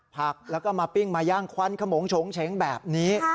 ผักแล้วก็มาปิ้งมาย่างควันขมงโฉงเฉงแบบนี้